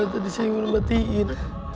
tadi saya ingin mematikan